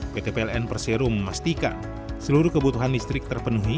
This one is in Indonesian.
pt pln persero memastikan seluruh kebutuhan listrik terpenuhi